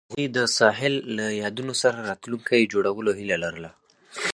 هغوی د ساحل له یادونو سره راتلونکی جوړولو هیله لرله.